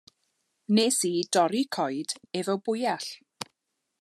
Wnes i dorri coed hefo bwyall.